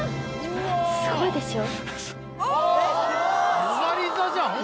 すごいでしょ？あっ！